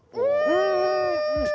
うん！